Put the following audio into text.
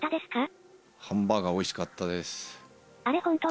ハンバーガーおいしかったですか？